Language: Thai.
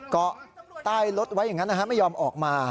เกาะใต้รถไว้อย่างนั้นนะฮะไม่ยอมออกมา